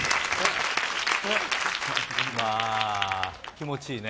気持ちいいね。